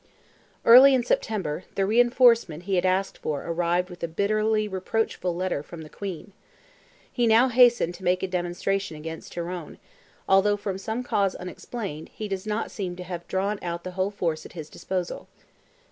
Early in September, the reinforcement he had asked for arrived with a bitterly reproachful letter from the Queen. He now hastened to make a demonstration against Tyrone, although, from some cause unexplained, he does not seem to have drawn out the whole force at his disposal.